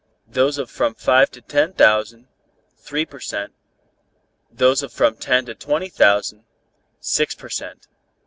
those of from five to ten thousand, three per cent.; those of from ten to twenty thousand, six per cent.